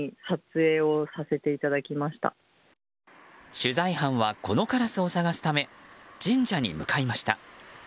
取材班はこのカラスを探すため神社に向かいました。